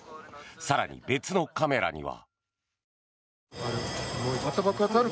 更に、別のカメラには。